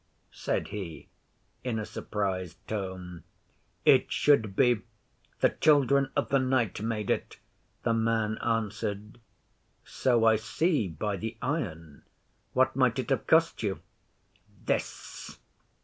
said he, in a surprised tone. 'It should be. The Children of the Night made it,' the man answered. 'So I see by the iron. What might it have cost you?' 'This!